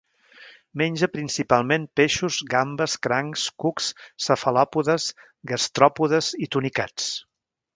Menja principalment peixos, gambes, crancs, cucs, cefalòpodes, gastròpodes i tunicats.